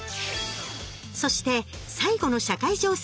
そして最後の社会情勢